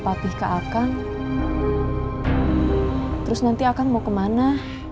papih ke akang terus nanti akan mau kemana